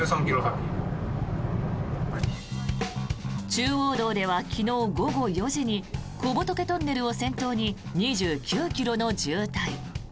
中央道では昨日午後４時に小仏トンネルを先頭に２９ｋｍの渋滞。